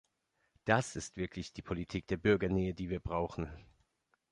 Das ist wirklich die Politik der Bürgernähe, die wir brauchen.